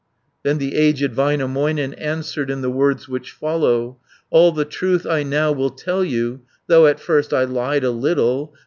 190 Then the aged Väinämöinen, Answered in the words which follow: "All the truth I now will tell you, Though at first I lied a little.